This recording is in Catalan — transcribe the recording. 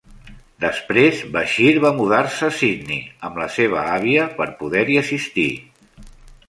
Després, Bashir va mudar-se a Sydney amb la seva àvia per poder-hi assistir.